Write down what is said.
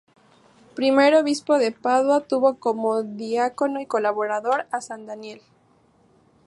Primer obispo de Padua, tuvo como diácono y colaborador a san Daniel.